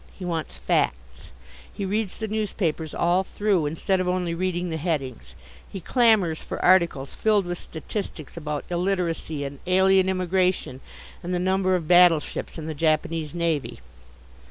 He wants facts. He reads the newspapers all though, instead of only reading the headings. He clamours for articles filled with statistics about illiteracy and alien immigration and the number of battleships in the Japanese navy.